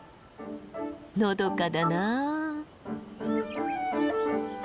のどかだな。